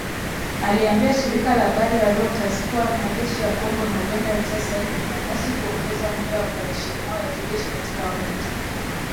Aliliambia shirika la habari la Reuters kuwa majeshi ya Kongo na Uganda yalitia saini Juni mosi kuongeza muda wa operesheni zao za kijeshi katika awamu ya tatu